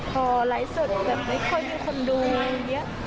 พอหลายส่วนแบบไม่ค่อยมีคนดูอย่างเงี้ย